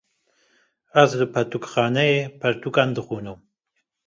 Ez li pertûkxanayê, pertûkan dixwînim